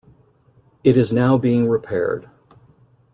It is now being repaired.